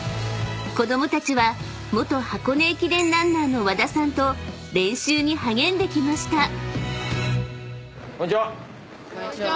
［子供たちは元箱根駅伝ランナーの和田さんと練習に励んできました］